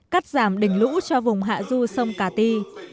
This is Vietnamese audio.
cắt giảm đỉnh lũ cho vùng hạ du sông cà ti